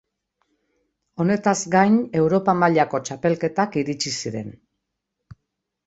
Honetaz gain Europa mailako txapelketak iritsi ziren.